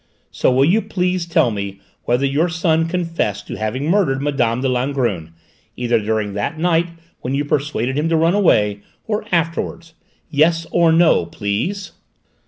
So will you please tell me whether your son confessed to having murdered Mme. de Langrune, either during that night when you persuaded him to run away, or afterwards? Yes or no, please."